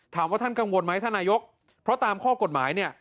ท่านกังวลไหมท่านนายกเพราะตามข้อกฎหมายเนี่ย